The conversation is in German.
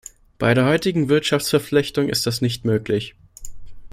Bei der heutigen Wirtschaftsverflechtung ist das nicht möglich.